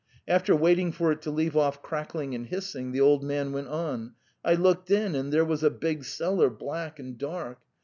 After waiting for it to leave off crackling and hissing, the old man went on: 'I looked in and there was a big cellar, black and dark.